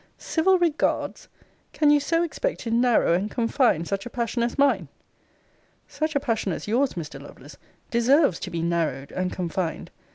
Civil regards! Can you so expect to narrow and confine such a passion as mine? Such a passion as yours, Mr. Lovelace, deserves to be narrowed and confined.